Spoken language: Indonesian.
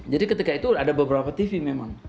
ketika itu ada beberapa tv memang